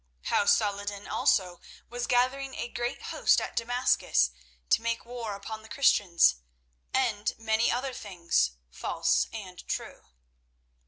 How Saladin also was gathering a great host at Damascus to make war upon the Christians, and many other things, false and true.